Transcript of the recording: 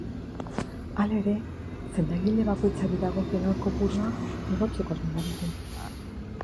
Hala ere, sendagile bakoitzari dagokion haur kopurua igotzeko asmoa dute.